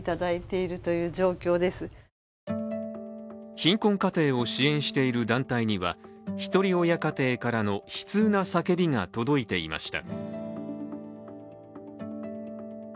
貧困家庭を支援している団体にはひとり親家庭からの悲痛な叫びが届いていました。